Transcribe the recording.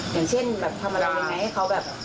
อย่างเช่นแบบทำอะไรให้เขาแบบ